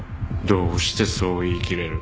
どうしてそう言い切れる？